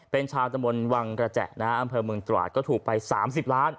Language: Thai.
เป็นชาวตะมนต์วังกระแจนะฮะอำเภอเมืองตราดก็ถูกไป๓๐ล้าน